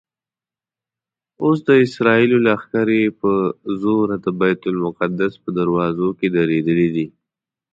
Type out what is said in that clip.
اوس د اسرائیلو لښکرې په زوره د بیت المقدس په دروازو کې درېدلي دي.